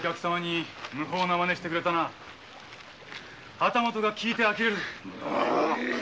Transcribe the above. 旗本が聞いて呆れるぜ。